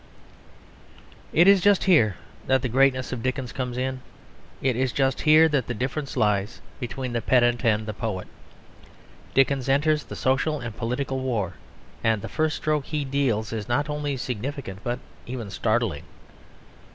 It is just here that the greatness of Dickens comes in; it is just here that the difference lies between the pedant and the poet. Dickens enters the social and political war, and the first stroke he deals is not only significant but even startling.